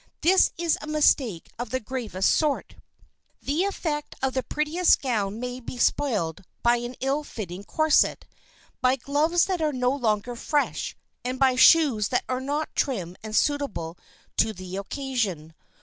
This is a mistake of the gravest sort. The effect of the prettiest gown may be spoiled by an ill fitting corset, by gloves that are no longer fresh and by shoes that are not trim and suitable to the occasion.